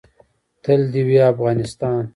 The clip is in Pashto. تل دې وي افغانستان؟